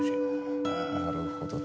なるほど。